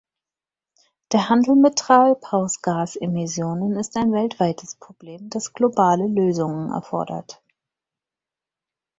Der Handel mit Treibhausgasemissionen ist ein weltweites Problem, das globale Lösungen erfordert.